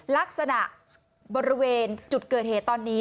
ลักษณะบริเวณจุดเกิดเหตุตอนนี้